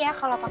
yaa bener itu